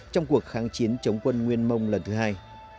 trong cuộc kháng chiến chống quân nguyên mông lần thứ hai